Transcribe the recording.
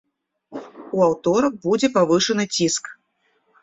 У аўторак будзе павышаны ціск.